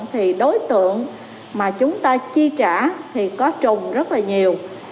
thì đối tượng mà chúng ta chi trả thì có trùng rất là nhiều